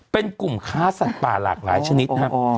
เป็นกลุ่มค้าสัตว์ป่าหลากหลายชนิดครับ